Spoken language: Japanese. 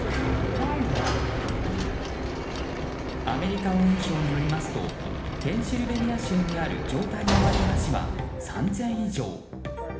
アメリカ運輸省によりますとペンシルベニア州にある状態が悪い橋は３０００以上。